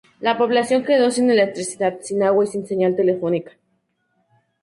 La población quedó sin electricidad, sin agua y sin señal telefónica.